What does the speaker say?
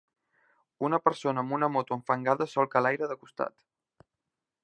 Una persona amb una moto enfangada solca l'aire de costat.